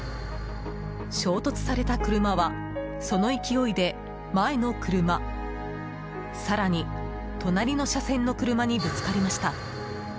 衝突された車はその勢いで前の車更に隣の車線の車にぶつかりました。